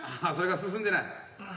ああそれが進んでない。